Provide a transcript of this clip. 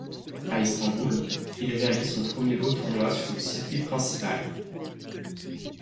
À Istanbul, il réalise son premier beau tournoi sur le circuit principal.